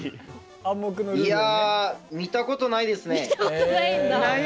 いや見たことないですね。